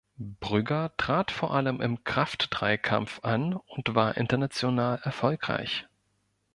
Brügger trat vor allem im Kraftdreikampf an und war international erfolgreich.